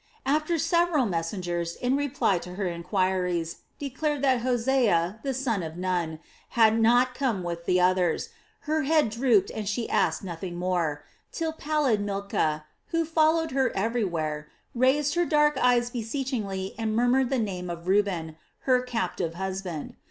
After several messengers, in reply to her inquiries, declared that Hosea, the son of Nun, had not come with the others, her head drooped and she asked nothing more, till pallid Milcah, who followed her everywhere, raised her dark eyes beseechingly and murmured the name of Reuben, her captive husband.